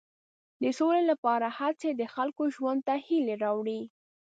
د سولې لپاره هڅې د خلکو ژوند ته هیلې راوړي.